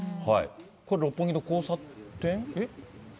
これ六本木の交差点？